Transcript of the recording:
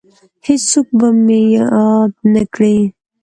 هیڅوک به مې یاد نه کړي